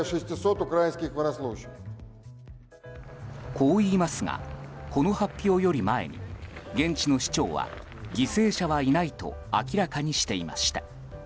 こう言いますがこの発表より前に現地の市長は、犠牲者はいないと明らかにしていました。